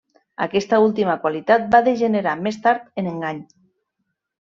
Aquesta última qualitat va degenerar més tard en engany.